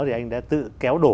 thì anh đã tự kéo đổ